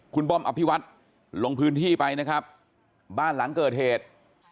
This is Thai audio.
คุณบอมอภิวัตรลงพื้นที่ไปนะครับบ้านหลังเกิดเหตุ